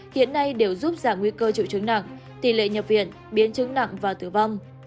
hiện nay đều giúp giảm nguy cơ triệu chứng nặng tỷ lệ nhập viện biến chứng nặng và tử vong